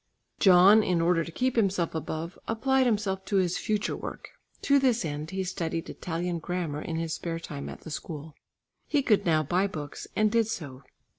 John, in order to keep himself above, applied himself to his future work. To this end he studied Italian grammar in his spare time at the school. He could now buy books and did so.